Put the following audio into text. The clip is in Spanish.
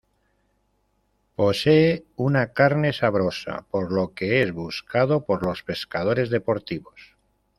Posee una carne sabrosa, por lo que es buscado por los pescadores deportivos.